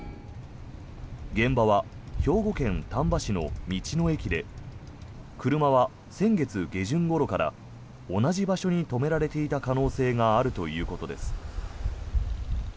現場は兵庫県丹波市の道の駅で車は先月下旬ごろから同じ場所に止められていた可能性があるということです。